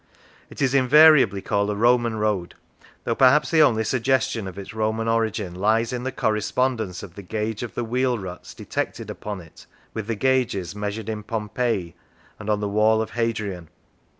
It is invariably called a Roman road, though perhaps the only suggestion of its Roman origin lies in the correspondence of the gauge of the wheel ruts detected upon it with the gauges measured in Pompeii and on the Wall of Hadrian.